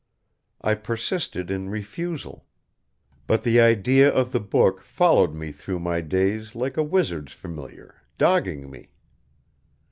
I persisted in refusal. But the idea of the book followed me through my days like a wizard's familiar dogging me.